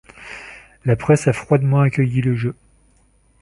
La presse a froidement accueilli le jeu.